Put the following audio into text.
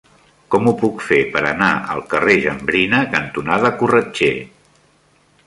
Com ho puc fer per anar al carrer Jambrina cantonada Corretger?